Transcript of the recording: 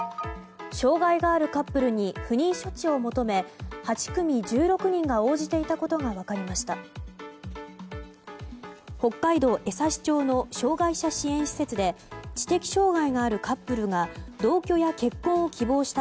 障害があるカップルに不妊処置を求め８組１６人が応じていたことが分かりました。